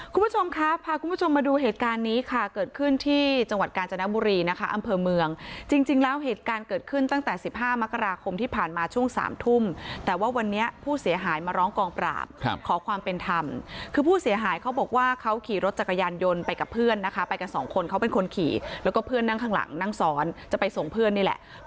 คุณผู้ชมครับพาคุณผู้ชมมาดูเหตุการณ์นี้ค่ะเกิดขึ้นที่จังหวัดกาญจนบุรีนะคะอำเภอเมืองจริงแล้วเหตุการณ์เกิดขึ้นตั้งแต่สิบห้ามกราคมที่ผ่านมาช่วงสามทุ่มแต่ว่าวันนี้ผู้เสียหายมาร้องกองปราบขอความเป็นธรรมคือผู้เสียหายเขาบอกว่าเขาขี่รถจักรยานยนต์ไปกับเพื่อนนะคะไปกันสองคนเขาเป็นคนขี่แล้วก็เพื่อนนั่งข้างหลังนั่งซ้อนจะไปส่งเพื่อนนี่แหละ